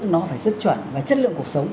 nó phải rất chuẩn và chất lượng cuộc sống